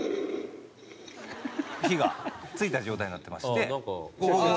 火がついた状態になってまして。